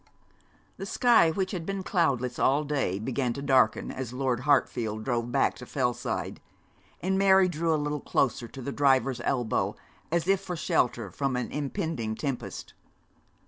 The sky, which had been cloudless all day, began to darken as Lord Hartfield drove back to Fellside, and Mary drew a little closer to the driver's elbow, as if for shelter from an impending tempest.